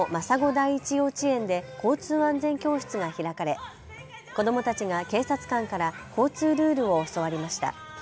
第一幼稚園で交通安全教室が開かれ子どもたちが警察官から交通ルールを教わりました。